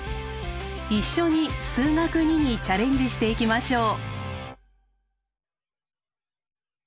一緒に「数学Ⅱ」にチャレンジしていきましょう。